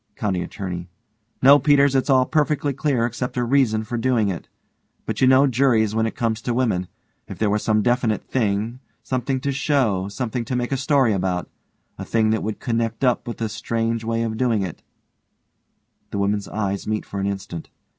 COUNTY ATTORNEY: No, Peters, it's all perfectly clear except a reason for doing it. But you know juries when it comes to women. If there was some definite thing. Something to show something to make a story about a thing that would connect up with this strange way of doing it (_The women's eyes meet for an instant.